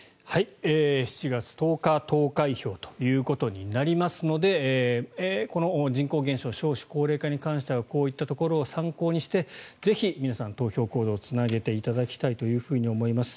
７月１０日投開票ということになりますのでこの人口減少、少子高齢化に関してはこういったところを参考にしてぜひ皆さん、投票行動につなげていただきたいと思います。